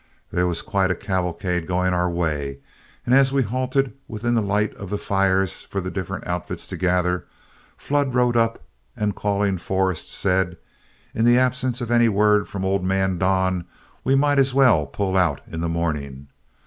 There was quite a cavalcade going our way, and as we halted within the light of the fires for the different outfits to gather, Flood rode up, and calling Forrest, said: "In the absence of any word from old man Don, we might as well all pull out in the morning.